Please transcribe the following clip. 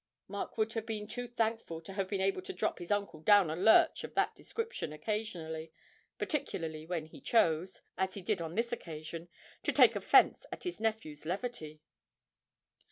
Mark would have been too thankful to have been able to drop his uncle down a lurch of that description occasionally, particularly when he chose, as he did on this occasion, to take offence at his nephew's levity.